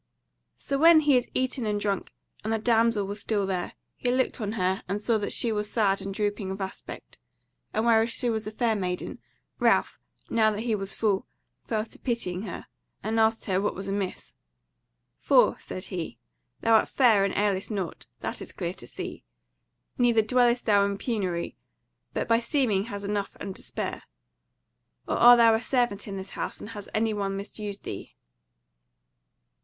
So when he had eaten and drunk, and the damsel was still there, he looked on her and saw that she was sad and drooping of aspect; and whereas she was a fair maiden, Ralph, now that he was full, fell to pitying her, and asked her what was amiss. "For," said he, "thou art fair and ailest nought; that is clear to see; neither dwellest thou in penury, but by seeming hast enough and to spare. Or art thou a servant in this house, and hath any one misused thee?"